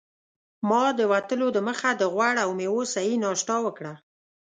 ما د وتلو دمخه د غوړ او میوو صحي ناشته وکړه.